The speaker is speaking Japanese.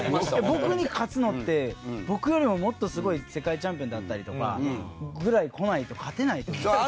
僕に勝つのって僕よりももっとすごい世界チャンピオンであったりとかぐらい来ないと勝てないと思います。